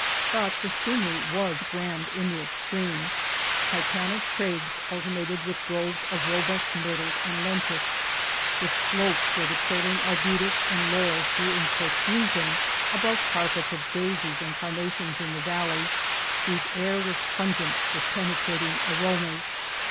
But the scenery was grand in the ex The Morena treme. Titanic crags alternated with groves of robust myrtles and lentisks, with slopes where the trailing arbutus and laurels grew in profusion above carpets of daisies and carnations in the valleys whose air was pungent with penetrating aromas.